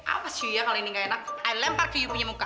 awas yu ya kalau ini gak enak i lempar ke yu punya muka